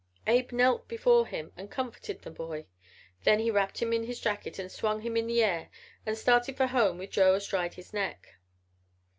Abe knelt before him and comforted the boy. Then he wrapped him in his jacket and swung him in the air and started for home with Joe astride his neck.